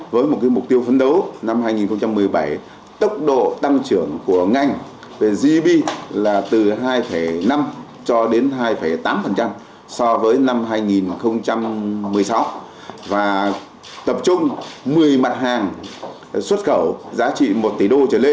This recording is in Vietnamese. với một mục tiêu phấn đấu năm hai nghìn một mươi bảy tốc độ tăng trưởng của ngành về gb là từ hai năm cho đến hai tám so với năm hai nghìn một mươi sáu và tập trung một mươi mặt hàng xuất khẩu giá trị một tỷ usd trở lên